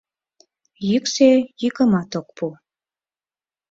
Йӱксӧ йӱкымат ок пу